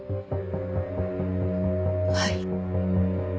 はい。